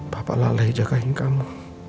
papa lalai jagain kamu